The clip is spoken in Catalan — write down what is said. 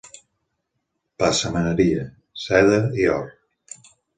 Passamaneria: seda i or.